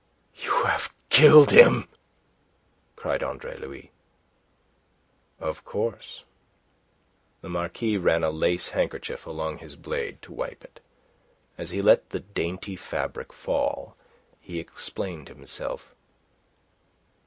"You have killed him!" cried Andre Louis. "Of course." The Marquis ran a lace handkerchief along his blade to wipe it. As he let the dainty fabric fall, he explained himself.